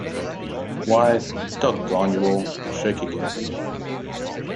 Why, doggone you all, shake again.